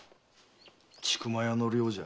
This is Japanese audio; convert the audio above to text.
千曲屋の寮じゃ。